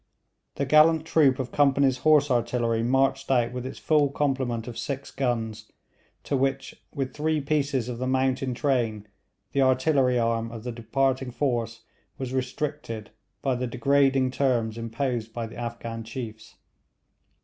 The gallant troop of Company's Horse Artillery marched out with its full complement of six guns, to which, with three pieces of the mountain train, the artillery arm of the departing force was restricted by the degrading terms imposed by the Afghan chiefs.